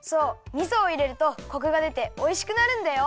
みそをいれるとコクがでておいしくなるんだよ。